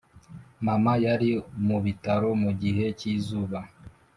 mama yari mu bitaro mu gihe cyizuba.